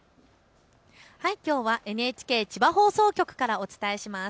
きょうはＮＨＫ千葉放送局からお伝えします。